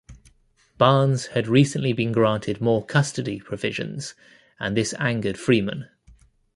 Barnes had recently been granted more custody provisions and this angered Freeman.